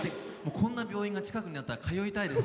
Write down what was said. こんな病院が近くにあったら通いたいです。